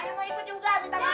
saya mau ikut juga minta maaf